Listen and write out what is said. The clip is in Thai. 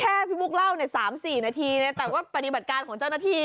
คือแค่พี่บุ๊คเล่า๓๔นาทีแต่ว่าปฏิบัติการของเจ้าหน้าที่